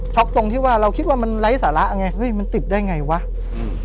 ตรงที่ว่าเราคิดว่ามันไร้สาระไงเฮ้ยมันติดได้ไงวะอืม